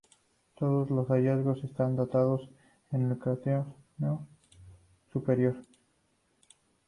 Todos los hallazgos están datados en el Cretáceo superior.